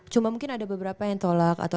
cuma mungkin ada beberapa yang tolak atau